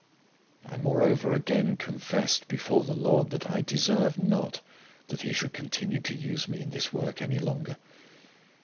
I moreover again confessed before the Lord that I deserved not that He should continue to use me in this work any longer.